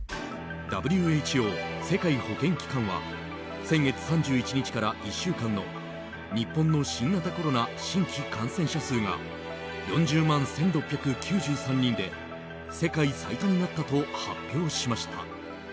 ＷＨＯ・世界保健機関は先月３１日から１週間の日本の新型コロナ新規感染者数が４０万１６９３人で世界最多になったと発表しました。